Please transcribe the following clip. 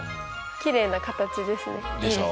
きれいな形ですね。でしょ？